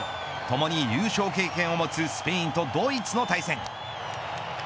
ともに優勝経験を持つスペインとドイツの対戦。